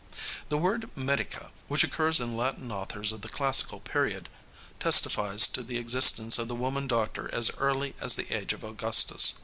The word medica, which occurs in Latin authors of the classical period, testifies to the existence of the woman doctor as early as the age of Augustus.